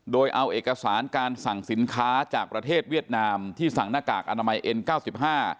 โดยเอาเอกสารการสั่งสินค้าจากประเทศเวียดนามที่สั่งหน้ากากอนามัยเอ็นเก้าสิบห้า